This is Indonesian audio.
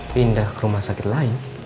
pindah ke rumah sakit lain